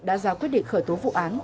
đã ra quyết định khởi tố vụ án